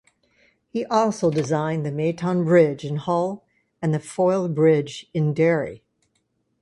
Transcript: He also designed the Myton bridge in Hull and the Foyle Bridge in Derry.